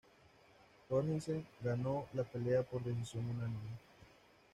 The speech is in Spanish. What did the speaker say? Jorgensen ganó la pelea por decisión unánime.